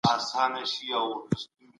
تاسي باید په ژوند کي د حق خبره وکړئ.